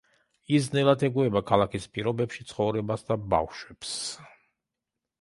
ის ძნელად ეგუება ქალაქის პირობებში ცხოვრებას და ბავშვებს.